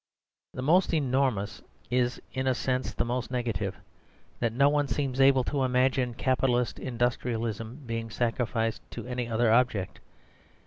The most enormous is in a sense the most negative: that no one seems able to imagine capitalist industrialism being sacrificed to any other object.